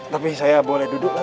tapi saya boleh duduk